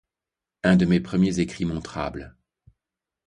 Un de mes premiers écrits «montrables.